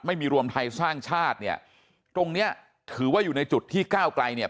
รวมไทยสร้างชาติเนี่ยตรงเนี้ยถือว่าอยู่ในจุดที่ก้าวไกลเนี่ย